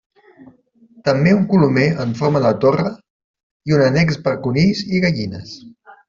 També un colomer en forma de torre, i un annex per conills i gallines.